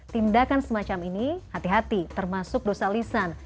tindakan semacam ini hati hati termasuk dosa lisan